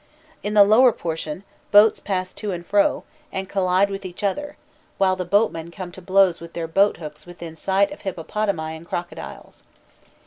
In the lower portion, boats pass to and fro, and collide with each other, while the boatmen come to blows with their boat hooks within sight of hippopotami and crocodiles.